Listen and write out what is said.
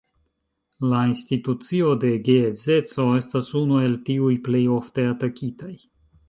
La institucio de geedzeco estas unu el tiuj plej ofte atakitaj.